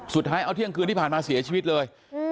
สุดท้ายเอาเที่ยงคืนที่ผ่านมาเสียชีวิตเลย